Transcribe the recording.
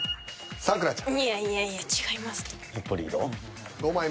咲楽ちゃん。